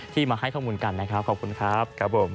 ที่มาให้ข้อมูลกันนะครับขอบคุณครับ